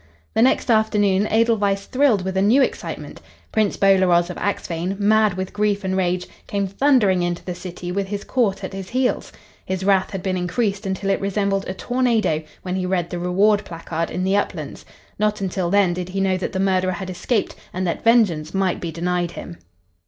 The next afternoon Edelweiss thrilled with a new excitement. Prince Bolaroz of Axphain, mad with grief and rage, came thundering into the city with his Court at his heels. His wrath had been increased until it resembled a tornado when he read the reward placard in the uplands. Not until then did he know that the murderer had escaped and that vengeance might be denied him.